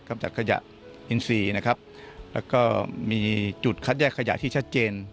จัดขยะอินซีนะครับแล้วก็มีจุดคัดแยกขยะที่ชัดเจน